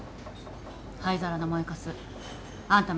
灰皿の燃えかすあんた